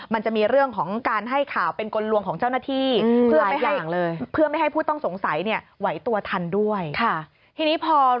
มันจะมีเรื่องของการให้ข่าวเป็นกลลวงของเจ้าหน้าที่